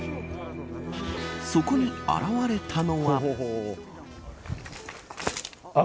そこに現れたのは。